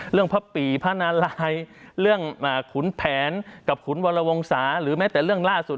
พระปี่พระนารายเรื่องขุนแผนกับขุนวรวงศาหรือแม้แต่เรื่องล่าสุด